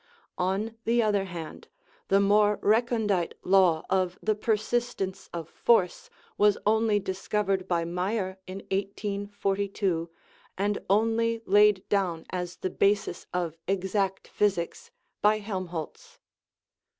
On the other hand, the more recondite law of the persistence of force was only discovered by Mayer in 1842, and only laid down as the basis of exact physics by Helmholtz.